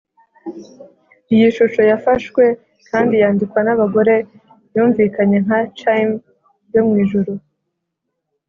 iyi shusho yafashwe kandi yandikwa nabagore yumvikanye nka chime yo mwijuru.